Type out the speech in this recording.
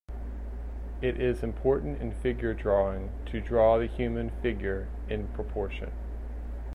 It is important in figure drawing to draw the human figure in proportion.